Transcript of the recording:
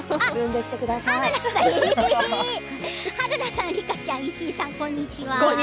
春菜さん、梨花ちゃん石井さん、こんにちは。